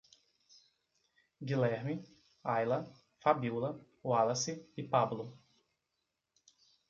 Guilerme, Aila, Fabíola, Wallace e Pablo